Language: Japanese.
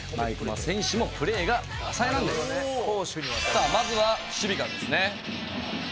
さあまずは守備からですね。